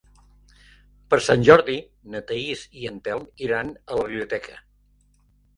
Per Sant Jordi na Thaís i en Telm iran a la biblioteca.